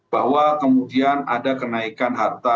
bahwa kemudian ada kenaikan harta